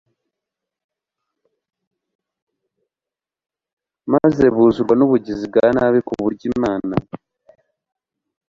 maze buzurwa nubugizi bwa nabi ku buryo Imana